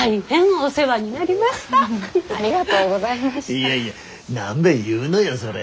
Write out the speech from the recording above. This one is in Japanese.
いやいや何べん言うのよそれ。